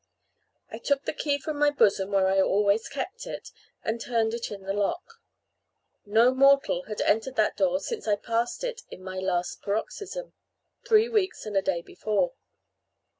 I took the key from my bosom, where I always kept it, and turned it in the lock. No mortal had entered that door since I passed it in my last paroxysm, three weeks and a day before.